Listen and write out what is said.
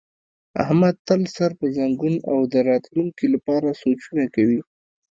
احمد تل سر په زنګون او د راتونکي لپاره سوچونه کوي.